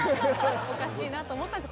おかしいなと思ったんです。